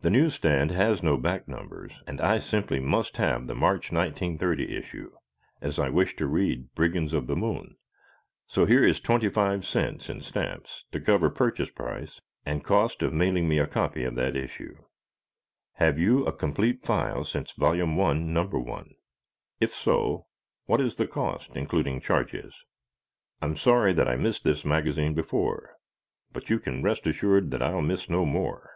The newsstand has no back numbers, and I simply must have the March 1930 issue, as I wish to read "Brigands of the Moon," so here is 25¢, in stamps to cover purchase price and cost of mailing me a copy of that issue. Have you a complete file since Vol. 1, No. 1? If so, what is the cost including charges? I'm sorry that I missed this magazine before, but you can rest assured that I'll miss no more.